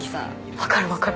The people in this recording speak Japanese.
分かる分かる。